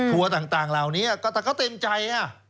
ทัวร์ต่างเหล่านี้ก็ถ้าเขาเต็มใจ